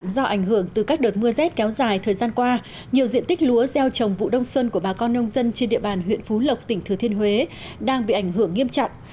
do ảnh hưởng từ các đợt mưa rét kéo dài thời gian qua nhiều diện tích lúa gieo trồng vụ đông xuân của bà con nông dân trên địa bàn huyện phú lộc tỉnh thừa thiên huế đang bị ảnh hưởng nghiêm trọng